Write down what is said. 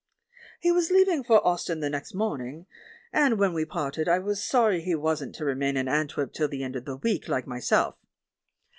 He was leaving for Ostend the next morning, and, when we parted, I was sorry he wasn't to remain in Antwerp till the end of the week like myself.